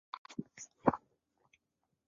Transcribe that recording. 伊犁的葛逻禄部即臣服于西辽王朝。